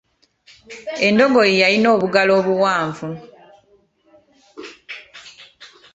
Endogoyi yalina obulago obuwanvu.